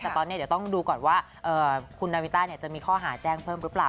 แต่ตอนนี้เดี๋ยวต้องดูก่อนว่าคุณนาวินต้าจะมีข้อหาแจ้งเพิ่มหรือเปล่า